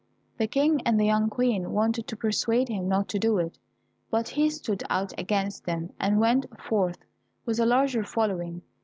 The King and the young Queen wanted to persuade him not to do it, but he stood out against them, and went forth with a larger following.